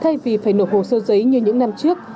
thay vì phải nộp hồ sơ giấy như những năm trước